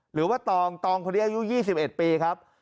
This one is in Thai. หรือว่าตองตองคนนี้อายุ๒๑ปีครับ